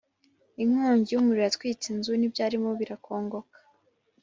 inkongi y’umuriro yatwitse inzu n’ibyarimo birakongoka